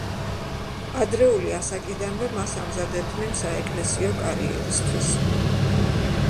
ადრეული ასაკიდანვე მას ამზადებდნენ საეკლესიო კარიერისთვის.